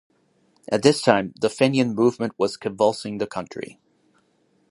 At this time the Fenian movement was convulsing the country.